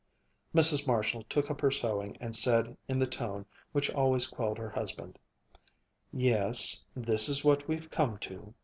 Mrs. Marshall took up her sewing and said in the tone which always quelled her husband, "Yes, this is what we've come to."